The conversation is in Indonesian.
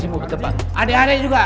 semua berdepan adik adik juga